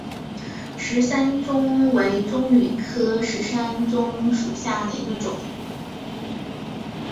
石山棕为棕榈科石山棕属下的一个种。